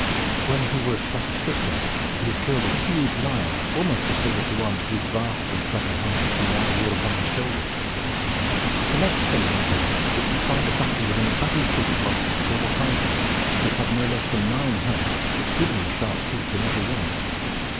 When he was but a stripling, he had killed a huge lion, almost as big as the one whose vast and shaggy hide he now wore upon his shoulders. The next thing that he had done was to fight a battle with an ugly sort of monster, called a hydra, which had no less than nine heads, and exceedingly sharp teeth in every one.